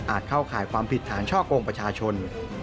อาจเข้าข่ายความผิดทางชอบโครงประชาชน